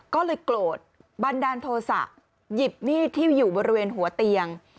ก็เลยโกรธบันดาลโทษะหยิบมีดที่อยู่บริเวณหัวเตียง